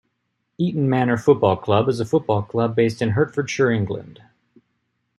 Eton Manor Football Club is a football club based in Hertfordshire, England.